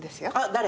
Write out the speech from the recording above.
誰？